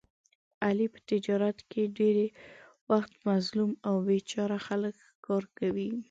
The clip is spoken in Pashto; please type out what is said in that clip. علي په تجارت کې ډېری وخت مظلوم او بې چاره خلک ښکار کوي.